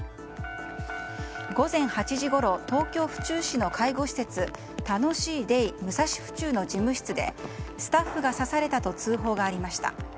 午前８時ごろ東京・府中市の介護施設たのしいデイむさしふちゅうの事務室でスタッフが刺されたと通報がありました。